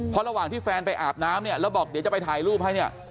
เพราะระหว่างที่แฟนไปอาบน้ำเนี่ยแล้วบอกเดี๋ยวจะไปถ่ายรูปให้เนี่ย